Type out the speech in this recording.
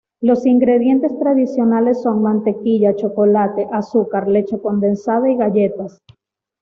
Los ingredientes tradicionales son mantequilla, chocolate, azúcar, leche condensada y galletas.